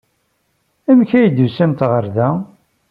Amek ay d-tusamt ɣer da?